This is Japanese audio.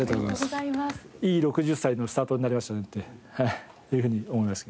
いい６０歳のスタートになりましたねというふうに思います。